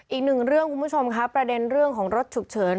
อีกหนึ่งเรื่องคุณผู้ชมครับประเด็นเรื่องของรถฉุกเฉิน